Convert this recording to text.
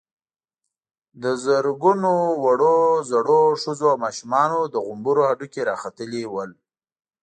د زرګونو وړو_ زړو، ښځو او ماشومانو د غومبرو هډوکي را ختلي ول.